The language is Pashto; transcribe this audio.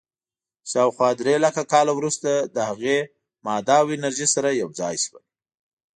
شاوخوا درېلکه کاله وروسته له هغې، ماده او انرژي سره یو ځای شول.